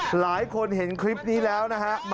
หลายคนเห็นคลิปนี้แล้วนะฮะ